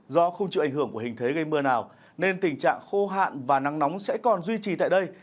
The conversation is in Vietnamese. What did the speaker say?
do không chịu ảnh hưởng của hình thế gây mưa nào nên tình trạng khô hạn và nắng nóng sẽ còn duy trì tại đây